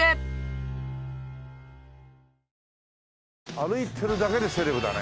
歩いてるだけでセレブだね。